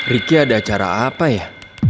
riki ada acara apa ya